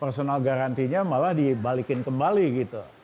personal garantinya malah dibalikin kembali gitu